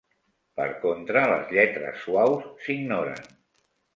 Per contra, les lletres suaus s'ignoren.